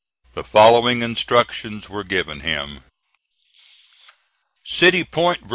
The following instructions were given him: "CITY POINT, VA.